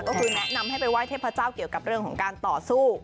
ก็คือแนะนำให้ไปไห้เทพเจ้าเกี่ยวกับเรื่องของการต่อสู้